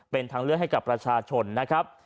เป็นทางเลือกให้กับประชาชนนะครับ